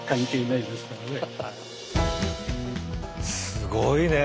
すごいね！